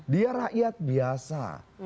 dia rakyat biasa